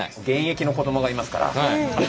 現役の子どもがいますから。